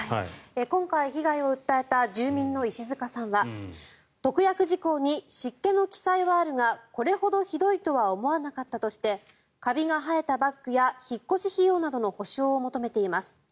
今回、被害を訴えた住民の石塚さんは特約事項に湿気の記載はあるがこれほどひどいとは思わなかったとしてカビが生えたバッグや引っ越し費用などの補償を求めています。